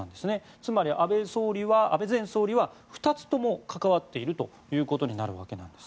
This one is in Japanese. つまり、安倍前総理は２つとも関わっていることになるわけです。